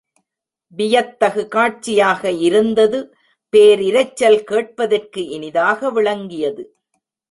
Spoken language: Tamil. வியத்தகு காட்சியாக இருந்தது பேரிரைச்சல் கேட்பதற்கு இனிதாக விளங்கியது.